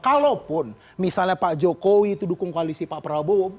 kalaupun misalnya pak jokowi itu dukung koalisi pak prabowo